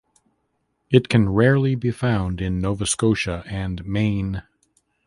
It can rarely be found in Nova Scotia and Maine.